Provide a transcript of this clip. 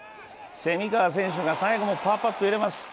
蝉川選手が最後もパーパットを入れます。